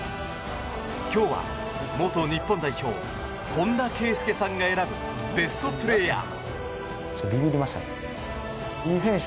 今日は元日本代表本田圭佑さんが選ぶベストプレーヤー。